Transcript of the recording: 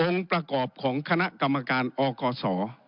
ประกอบของคณะกรรมการอกศ